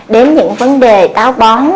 đến những vấn đề táo bóng